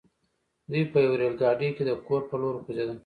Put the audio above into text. دوی په يوه ريل ګاډي کې د کور پر لور وخوځېدل.